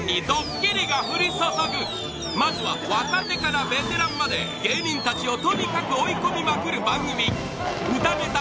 今夜はが降り注ぐまずは若手からベテランまで芸人達をとにかく追い込みまくる番組歌ネタ